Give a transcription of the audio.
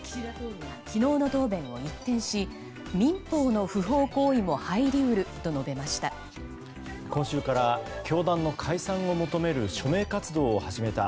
昨日の答弁を一転し民法の不法行為も入り得ると述べました。